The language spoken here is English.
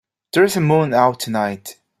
There's a moon out tonight.